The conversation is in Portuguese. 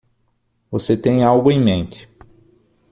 Você tem algo em mente.